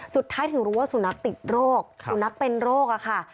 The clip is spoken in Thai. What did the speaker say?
สุดท้ายถึงรู้ว่าสุนัขติดโรคสุนัขเป็นโรคอะค่ะ